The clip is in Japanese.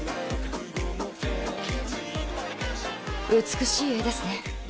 美しい絵ですね